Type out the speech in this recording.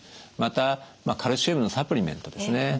またカルシウムのサプリメントですね。